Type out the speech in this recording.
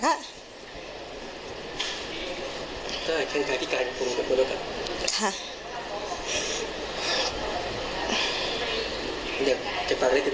ถ้าช่างชายพี่กายคงอยากฟังลูกค่ะ